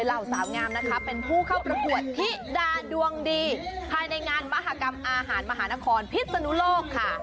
เหล่าสาวงามนะคะเป็นผู้เข้าประกวดธิดาดวงดีภายในงานมหากรรมอาหารมหานครพิศนุโลกค่ะ